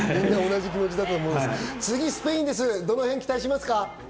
次はスペインです、どのへんを期待しますか？